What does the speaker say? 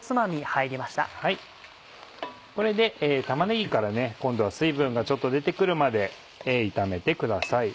これで玉ねぎから今度は水分がちょっと出て来るまで炒めてください。